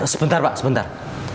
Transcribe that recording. sebentar pak sebentar